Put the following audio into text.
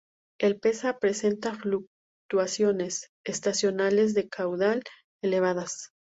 El Peza presenta fluctuaciones estacionales de caudal elevadas.